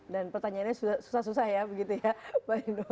dan pertanyaannya susah susah ya begitu ya pak indro